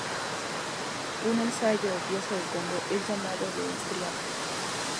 Un ensayo o pieza de Congo es llamado de Estirada.